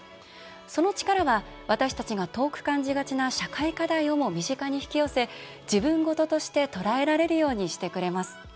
その力は私たちが遠く感じる社会課題を身近に引き寄せ自分事として捉えられるようにしてくれます。